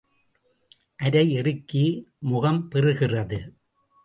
ஆரை இறுக்கி முகம் பெறுகிறது?